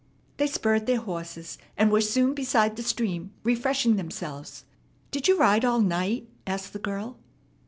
They spurred their horses, and were soon beside the stream, refreshing themselves. "Did you ride all night?" asked the girl.